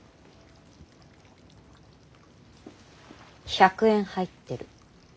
１００円入ってる。